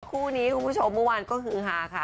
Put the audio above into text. คู่นี้คุณผู้ชมเมื่อวานก็คือฮาค่ะ